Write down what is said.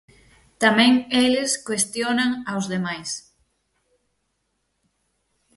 Tamén eles cuestionan aos demais.